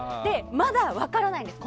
まだ分からないんです